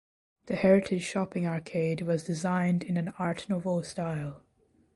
The heritage shopping arcade was designed in an Art Nouveau style.